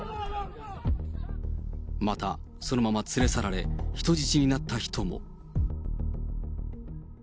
また、そのまま連れ去られ、人質になった人も。